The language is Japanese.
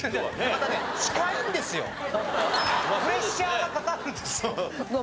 プレッシャーがかかるんです。